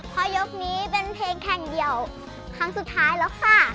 เพราะยกนี้เป็นเพลงแข่งเดี่ยวครั้งสุดท้ายแล้วค่ะ